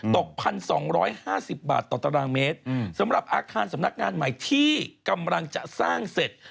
ตก๑๒๕๐บาทต่อตารางเมตรสำหรับอาคารสำนักงานใหม่ที่กำลังจะสร้างเสร็จ